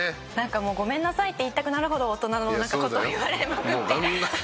もうごめんなさいって言いたくなるほど大人の事を言われまくって。